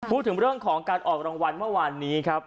พูดถึงเรื่องของการออกรางวัลเมื่อวานนี้ครับ